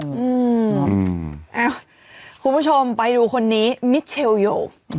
คุณผู้ชมไปดูคนนี้มิชเชลโยค